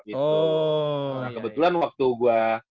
nah kebetulan waktu gue